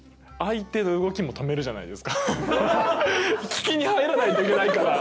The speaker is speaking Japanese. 聞きに入らないといけないから。